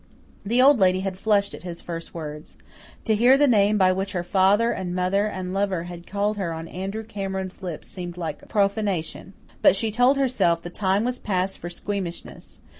The Old Lady had flushed at his first words. To hear the name by which her father and mother and lover had called her on Andrew Cameron's lips seemed like profanation. But, she told herself, the time was past for squeamishness.